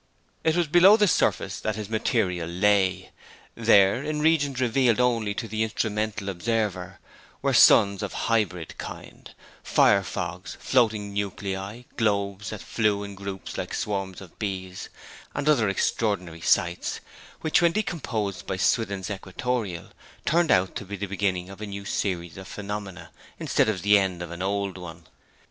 It was below the surface that his material lay. There, in regions revealed only to the instrumental observer, were suns of hybrid kind fire fogs, floating nuclei, globes that flew in groups like swarms of bees, and other extraordinary sights which, when decomposed by Swithin's equatorial, turned out to be the beginning of a new series of phenomena instead of the end of an old one.